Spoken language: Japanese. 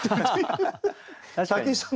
武井さん